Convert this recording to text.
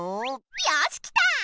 よしきた！